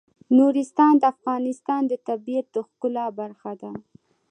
نورستان د افغانستان د طبیعت د ښکلا برخه ده.